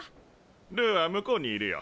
ルーは向こうにいるよ。